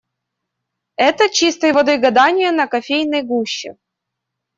Это - чистой воды гадание на кофейной гуще.